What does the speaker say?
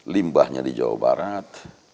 limbahnya di jawa barat